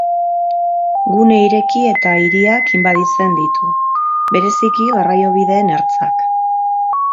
Gune ireki eta hiriak inbaditzen ditu, bereziki garraiobideen ertzak.